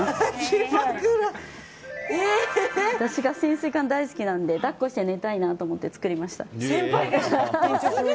私が潜水艦大好きなので抱っこして寝たいなと思って作りました。